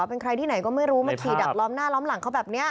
เป็นใครที่ไหนก็ไม่รู้มาขี่ดักล้อมหน้าล้อมหลังเขาแบบนี้